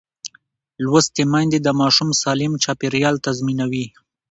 لوستې میندې د ماشوم سالم چاپېریال تضمینوي.